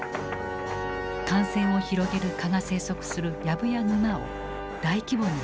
感染を広げる蚊が生息するやぶや沼を大規模に清掃した。